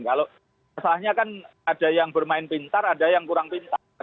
kalau masalahnya kan ada yang bermain pintar ada yang kurang pintar